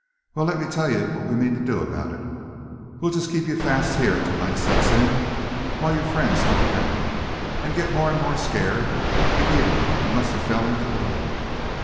"Well, let me tell ye what we mean to do about it. We'll jest keep ye fast here till night sets in, while yer friends hunt around, and git more an' more skeered, believin' ye must a fell inter the lake.